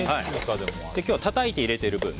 今日はたたいて入れている分